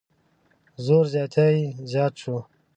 زور زیاتی زیات شو.